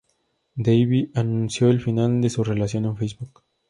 Davy anunció el final de su relación en Facebook.